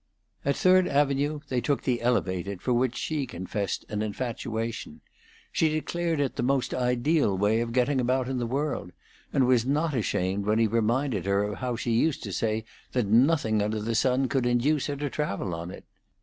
At Third Avenue they took the Elevated for which she confessed an infatuation. She declared it the most ideal way of getting about in the world, and was not ashamed when he reminded her of how she used to say that nothing under the sun could induce her to travel on it.